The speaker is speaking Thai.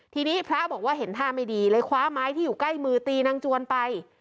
ทีนี้พระบอกว่าเห็นท่าไม่ดีเลยคว้าไม้ที่อยู่ใกล้มือตีนางจวนไป